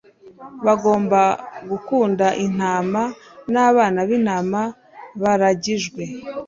bagomba gukunda intama n'abana b'intama baragijwe.